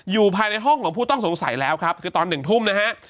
อยู่ในห้องของผู้ต้องสงสัยแล้วครับคือตอน๑ทุ่มนะฮะ